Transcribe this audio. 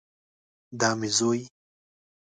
دا مې زوی